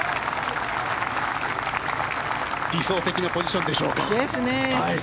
理想的なポジションでしょうか。ですね。